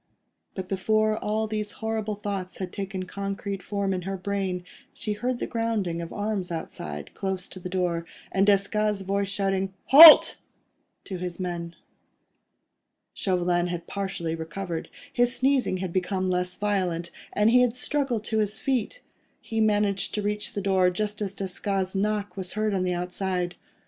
.. But before all these horrible thoughts had taken concrete form in her brain, she heard the grounding of arms outside, close to the door, and Desgas' voice shouting "Halt!" to his men. Chauvelin had partially recovered; his sneezing had become less violent, and he had struggled to his feet. He managed to reach the door just as Desgas' knock was heard on the outside.